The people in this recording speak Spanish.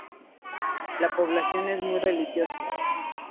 La población es muy religiosa.